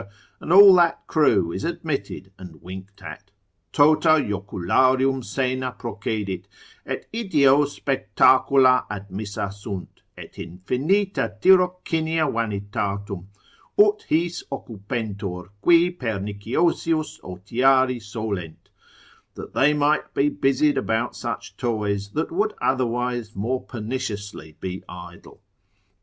and all that crew is admitted and winked at: Tota jocularium scena procedit, et ideo spectacula admissa sunt, et infinita tyrocinia vanitatum, ut his occupentur, qui perniciosius otiari solent: that they might be busied about such toys, that would otherwise more perniciously be idle.